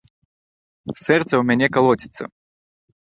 Сэрца ў мяне калоціцца.